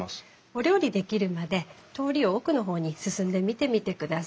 お料理出来るまで通りを奥の方に進んで見てみてください。